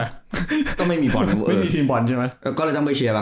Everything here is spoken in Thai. เออไม่มีทีมฟอร์นใช่ไหมก็เลยต้องไปเชียร์อ่ะ